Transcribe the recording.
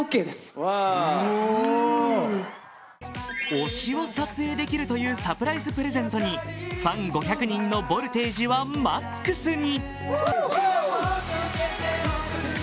推しを撮影できるというサプライズプレゼントにファン５００人のボルテージはマックスに。